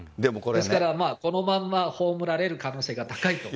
ですから、このまんま葬られる可能性が高いと。